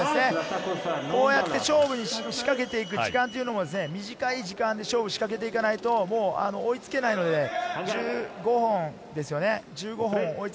こうやって勝負を仕掛けていく時間というのも短い時間で勝負をしかけていかないと追いつけないので、１５本ですね。